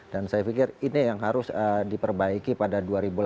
dan saya pikir ini yang harus diperbaiki pada dua ribu delapan belas